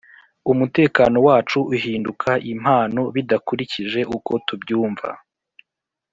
umutekano wacu uhinduka impano bidakurikije uko tubyumva